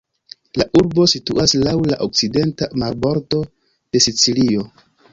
La urbo situas laŭ la okcidenta marbordo de Sicilio.